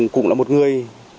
cũng là một người